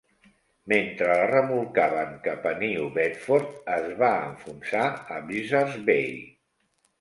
Mentre la remolcaven cap a New Bedford, es va enfonsar a Buzzards Bay.